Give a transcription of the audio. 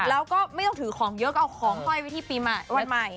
แล้วก็ไม่ต้องถือของเยอะก็เอาของไว้ที่วันใหม่